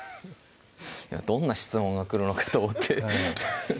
どんな質問が来るのかと思ってええ